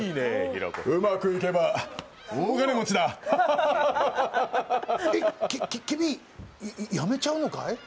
うまくいけば、大金持ちだハハハハハ。き、き、君、やめちゃうのかい？